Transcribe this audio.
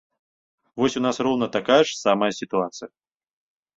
Вось у нас роўна такая ж самая сітуацыя.